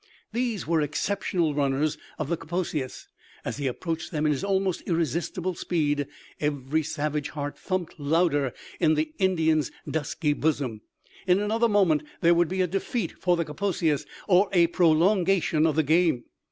These were exceptional runners of the Kaposias. As he approached them in his almost irresistible speed, every savage heart thumped louder in the Indian's dusky bosom. In another moment there would be a defeat for the Kaposias or a prolongation of the game.